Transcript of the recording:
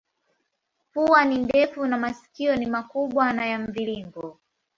Pua ni ndefu na masikio ni makubwa na ya mviringo.